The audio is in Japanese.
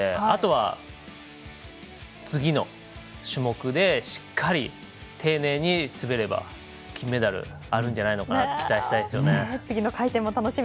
あとは、次の種目でしっかり丁寧に滑れば金メダル、あるんじゃないかなと期待したいですね。